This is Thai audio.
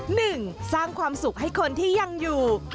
หนึ่งสร้างความสุขให้คนที่ยังอยู่